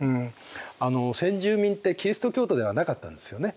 あの先住民ってキリスト教徒ではなかったんですよね。